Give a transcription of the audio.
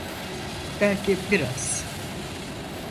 Belki biraz.